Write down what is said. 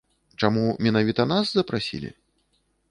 Чаму менавіта нас запрасілі?